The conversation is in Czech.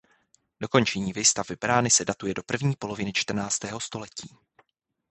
Dokončení výstavby brány se datuje do první poloviny čtrnáctého století.